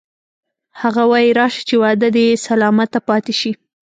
هغه وایی راشه چې وعده دې سلامته پاتې شي